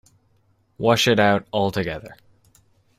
Wash it out altogether.